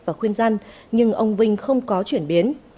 và khuyên gian nhưng ông vinh không có chuyển biến